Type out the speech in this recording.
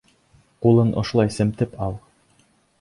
Ҡулын ошолай семетеп ал.